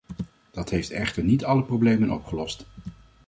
Dat heeft echter niet alle problemen opgelost.